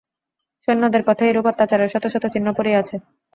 সৈন্যদের পথে এইরূপ অত্যাচারের শত শত চিহ্ন পড়িয়া আছে।